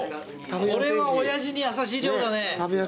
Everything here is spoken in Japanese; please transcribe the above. これは親父に優しい量だね。